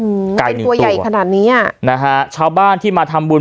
อื้อหูไก่หนึ่งตัวเป็นตัวใหญ่ขนาดเนี้ยนะฮะชาวบ้านที่มาทำบุญ